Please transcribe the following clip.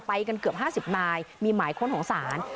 ไปกันเกือบห้าสิบนายมีหมายค้นของสาร